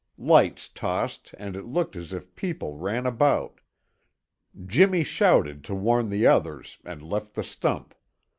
Lights tossed and it looked as if people ran about. Jimmy shouted to warn the others and left the stump.